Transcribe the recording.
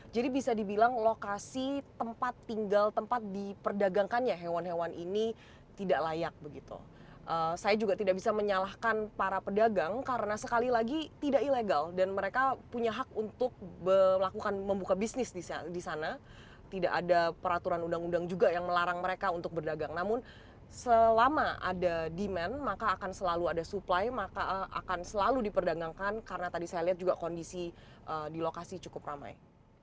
jadi bisa dibilang lokasi tempat tinggal tempat diperdagangkan ya hewan hewan ini tidak layak begitu saya juga tidak bisa menyalahkan para pedagang karena sekali lagi tidak ilegal dan mereka punya hak untuk melakukan membuka bisnis di sana tidak ada peraturan undang undang juga yang melarang mereka untuk berdagang namun selama ada demand maka akan selalu ada supply maka akan selalu diperdagangkan karena tadi saya lihat juga kondisi di lokasi cukup ramai